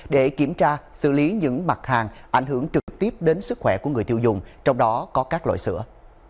để kiểm tra xử lý những mặt hàng ảnh hưởng trực tiếp đến sức khỏe của người tiêu dùng trong đó có các loại sữa